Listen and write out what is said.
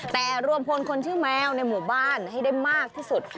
แต่รวมพลคนชื่อแมวในหมู่บ้านให้ได้มากที่สุด